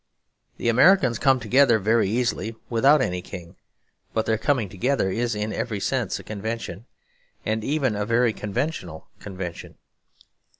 The Americans come together very easily without any king; but their coming together is in every sense a convention, and even a very conventional convention.